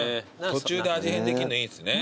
途中で味変できるのいいっすね。